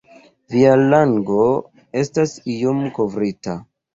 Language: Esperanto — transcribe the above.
Via lango estas iom kovrita.